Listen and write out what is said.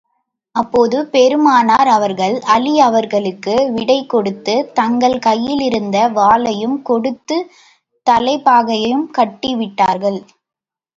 அப்போது பெருமானார் அவர்கள், அலீ அவர்களுக்கு விடை கொடுத்து, தங்கள் கையிலிருந்த வாளையும் கொடுத்துத் தலைப்பாகையையும் கட்டி விட்டார்கள்.